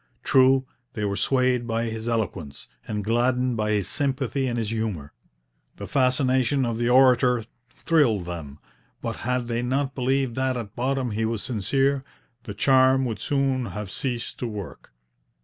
True, they were swayed by his eloquence, and gladdened by his sympathy and his humour. The fascination of the orator thrilled them; but had they not believed that at bottom he was sincere, the charm would soon have ceased to work.